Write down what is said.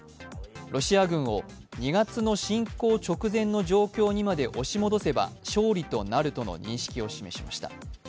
ロシア軍を２月の侵攻直前の状況にまで押し戻せば勝利となるとの認識を示しました。